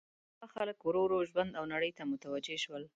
د اروپا خلک ورو ورو ژوند او نړۍ ته متوجه شول.